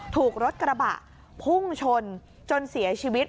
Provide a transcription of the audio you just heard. ถูกรถกระบะพุ่งชนจนเสียชีวิต